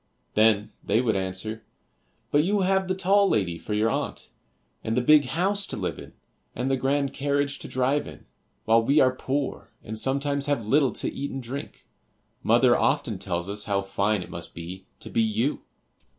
Then they would answer, "But you have the tall lady for your aunt, and the big house to live in, and the grand carriage to drive in, while we are poor, and sometimes have little to eat and drink; mother often tells us how fine it must be to be you."